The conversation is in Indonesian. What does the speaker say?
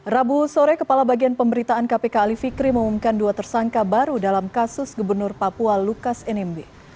rabu sore kepala bagian pemberitaan kpk ali fikri mengumumkan dua tersangka baru dalam kasus gubernur papua lukas nmb